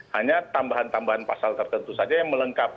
hanya tambahan tambahan pasal tertentu saja yang melengkapi